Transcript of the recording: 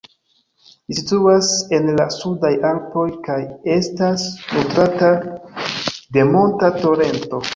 Ĝi situas en la Sudaj Alpoj kaj estas nutrata de monta torento.